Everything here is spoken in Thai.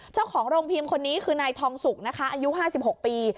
เจ้าของโรงพิมพ์คนนี้คือนายทองสุกนะคะอายุ๕๖ปี